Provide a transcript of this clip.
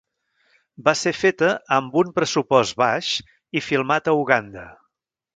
Va ser feta amb un pressupost baix i filmat a Uganda.